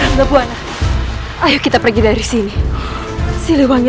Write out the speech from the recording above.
hingga tidak pernah memikirkan